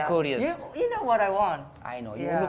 kamu tahu apa yang aku inginkan